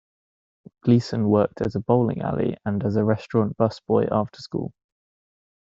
Gleason worked at a bowling alley and as a restaurant busboy after school.